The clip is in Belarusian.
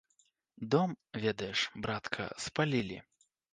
Дом, ведаеш, братка, спалілі.